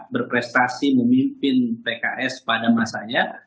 berprestasi memimpin pks pada masanya